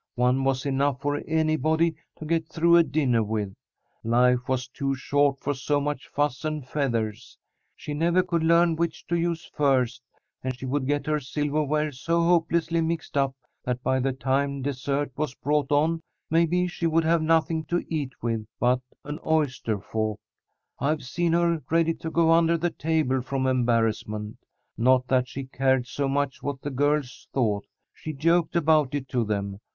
One was enough for anybody to get through a dinner with. Life was too short for so much fuss and feathers. She never could learn which to use first, and she would get her silverware so hopelessly mixed up that by the time dessert was brought on maybe she would have nothing to eat it with but an oyster fork. I've seen her ready to go under the table from embarrassment. Not that she cared so much what the girls thought. She joked about it to them.